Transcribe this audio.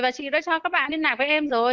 và chị đã cho các bạn liên lạc với em rồi